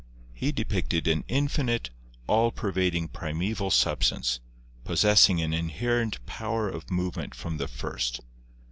He depicted an infinite, all pervading primeval substance, pos sessing an inherent power of movement from the first.